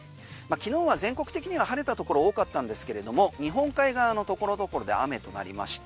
昨日は全国的には晴れたところ多かったんですけれども日本海側の所々で雨となりました。